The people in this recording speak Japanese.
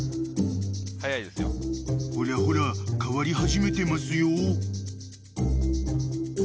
［ほらほら変わり始めてますよ］